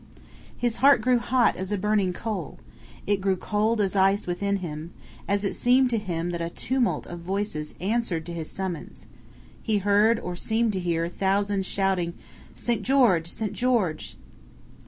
His heart grew hot as a burning coal, it grew cold as ice within him, as it seemed to him that a tumult of voices answered to his summons. He heard, or seemed to hear, thousands shouting: "St. George! St. George!"